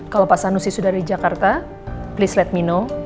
kalau pak sanusi sudah dari jakarta please let me know